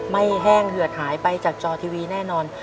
แห้งเหือดหายไปจากจอทีวีแน่นอน